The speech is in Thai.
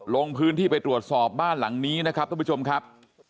ลงพื้นที่ไปตรวจสอบบ้านหลังนี้นะครับท่านผู้ชมครับ